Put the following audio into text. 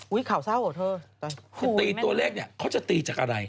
ข่าวเศร้าเหรอเธอคือตีตัวเลขเนี่ยเขาจะตีจากอะไร